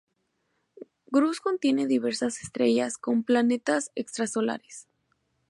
Grus contiene diversas estrellas con planetas extrasolares.